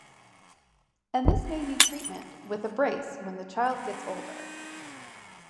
And this may need treatment with a brace when the child gets older.